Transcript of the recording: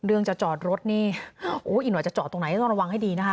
จะจอดรถนี่อีกหน่อยจะจอดตรงไหนต้องระวังให้ดีนะคะ